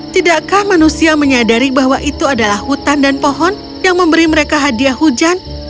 tidakkah manusia menyadari bahwa itu adalah hutan dan pohon yang memberi mereka hadiah hujan